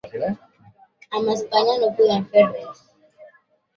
Amb Espanya no podem fer res.